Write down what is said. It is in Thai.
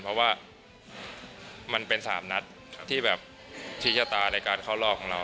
เพราะว่ามันเป็น๓นัดที่ชิชชาตารายการเข้าล่อของเรา